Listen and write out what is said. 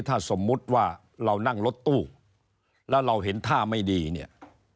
ถ้าสมมุติว่าเรานั่งรถตู้แล้วเราเห็นท่าไม่ดีเนี่ย